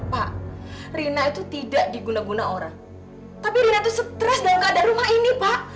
pak rina itu tidak diguna guna orang tapi rina itu stres dan enggak ada rumah ini pak